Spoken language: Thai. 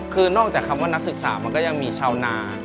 คือนอกจากคำว่านักศึกษามันก็ยังมีชาวนา